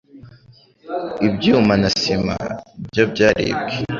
ibyuma na sima byo byaribwe